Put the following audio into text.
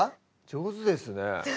上手ですね